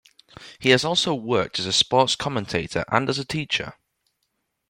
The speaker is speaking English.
He has also worked as a sports commentator and as a teacher.